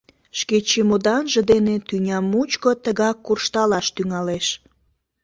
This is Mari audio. — Шке чемоданже дене тӱня мучко тыгак куржталаш тӱҥалеш.